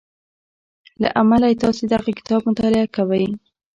له امله یې تاسې دغه کتاب مطالعه کوئ